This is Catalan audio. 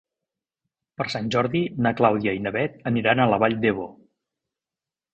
Per Sant Jordi na Clàudia i na Bet aniran a la Vall d'Ebo.